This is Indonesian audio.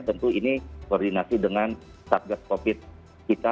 tentu ini koordinasi dengan target covid sembilan belas kita